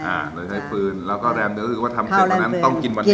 โดยใช้ฟืนแล้วก็แรมหนึ่งก็คือว่าทำเสร็จวันนั้นต้องกินวันนี้